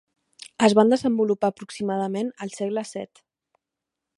Es van desenvolupar aproximadament al segle VII.